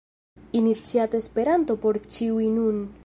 Iniciato Esperanto por ĉiuj – nun!